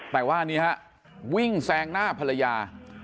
แต่ว่าอันนี้นะครับวิ่งแซงหน้าภรรยา